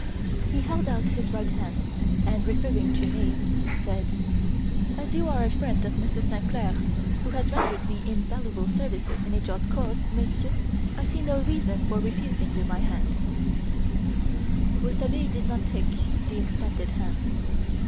He held out his right hand and, referring to me, said: "As you are a friend of Monsieur Sainclair who has rendered me invaluable services in a just cause, monsieur, I see no reason for refusing you my hand " Rouletabille did not take the extended hand.